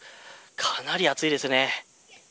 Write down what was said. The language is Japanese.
かなり暑いですね。